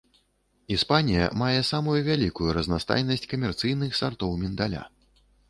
Іспанія мае самую вялікую разнастайнасць камерцыйных сартоў міндаля.